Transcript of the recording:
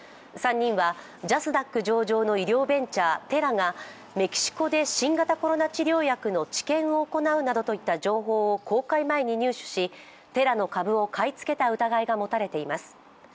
３人はジャスダック上場の医療ベンチャー、テラがメキシコで新型コロナ治療薬の治験を行うなどといった情報を公開前に入手しテラの株を買い付けた疑いが持たれています。